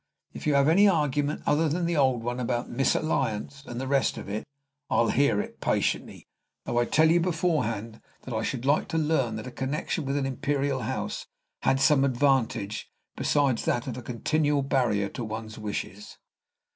If you have any argument other than the old one about misalliance and the rest of it, I 'll hear it patiently; though I tell you beforehand that I should like to learn that a connection with an imperial house had some advantage besides that of a continual barrier to one's wishes."